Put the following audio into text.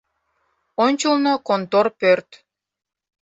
Ончылно контор пӧрт.